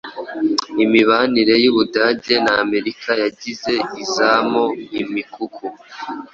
Imibanire y'Ubudage na Amerika yagiye izamo imikuku